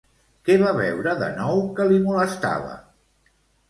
Què va veure de nou, que li molestava?